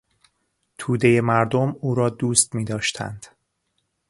تودهی مردم او را دوست میداشتند.